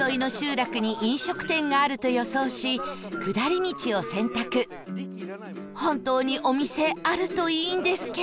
本当にお店あるといいんですけど